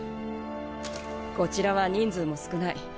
こちらは人数も少ない。